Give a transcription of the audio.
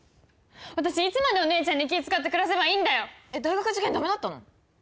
私いつまでお姉ちゃんに気使って暮らせばいいんだよえっ大学受験ダメだったの？